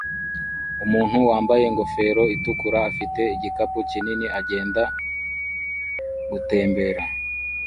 Umuntu wambaye ingofero itukura afite igikapu kinini agenda gutembera